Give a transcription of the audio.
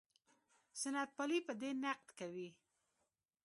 سنت پالي په دې نقد کوي.